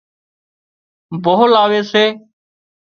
ڀوهه لاوي سي